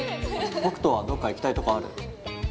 北斗はどっか行きたいとこある？